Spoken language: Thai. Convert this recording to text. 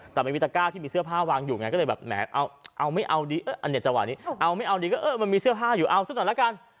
แต่มันมีตะก้าที่มีเสื้อผ้าวางอยู่ไงก็เลยแบบแหมเอาไม่เอาดีอันนี้จังหวะนี้เอาไม่เอาดีก็เออมันมีเสื้อผ้าอยู่เอาซะหน่อยละกัน